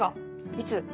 いつ？